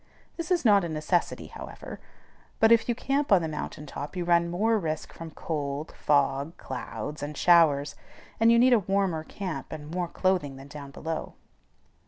This is not a necessity, however; but if you camp on the mountain top you run more risk from cold, fog, (clouds), and showers, and you need a warmer camp and more clothing than down below.